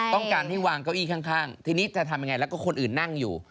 ต้องการให้วางเก้าอี้ข้างทีนี้จะทำยังไงแล้วก็คนอื่นนั่งอยู่